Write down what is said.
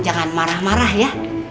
jangan marah marah ya